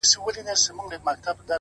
• په هغه شپه یې د مرګ پر لور روان کړل ,